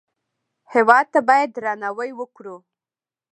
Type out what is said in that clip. هېواد ته باید درناوی وکړو